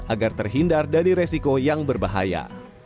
agar terhindar dari resiko yang berbahaya